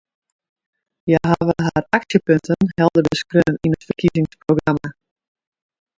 Hja hawwe har aksjepunten helder beskreaun yn it ferkiezingsprogramma.